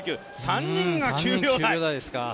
３人が９秒台！